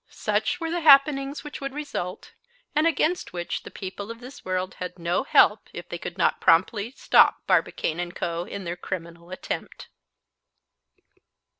Such were the happenings which would result, and against which the people of this world had no help if they could not prompdy stop Barbicane & Co. in their criminal attempt.